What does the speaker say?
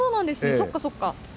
そっかそっか。